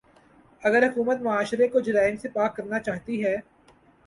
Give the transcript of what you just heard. اگر حکومت معاشرے کو جرائم سے پاک کرنا چاہتی ہے۔